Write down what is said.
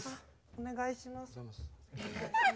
お願いします。